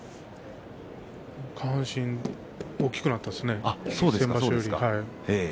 下半身が大きくなりましたね、先場所よりも。